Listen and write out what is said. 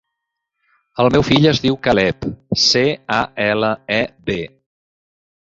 El meu fill es diu Caleb: ce, a, ela, e, be.